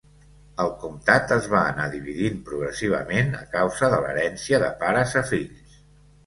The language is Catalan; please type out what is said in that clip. El comtat es va anar dividint progressivament a causa de l'herència de pares a fills.